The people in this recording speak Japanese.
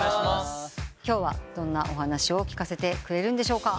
今日はどんなお話を聞かせてくれるんでしょうか？